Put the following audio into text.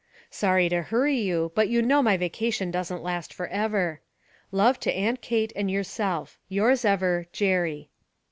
'Sorry to hurry you, but you know my vacation doesn't last for ever. 'Love to Aunt Kate and yourself, 'Yours ever, 'JERRY.'